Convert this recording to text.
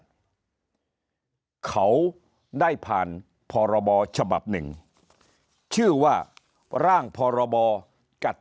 เขาได้ผ่านพรบฉบับหนึ่งชื่อว่าร่างพรบกัด